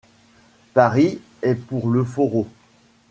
Paris est pour le forró.